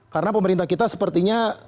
karena pemerintah kita sepertinya